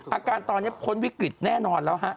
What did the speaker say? อาการตอนนี้พ้นวิกฤตแน่นอนแล้วฮะ